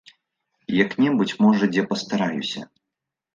Як-небудзь, можа, дзе пастараюся.